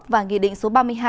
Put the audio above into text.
và nghị định số ba mươi hai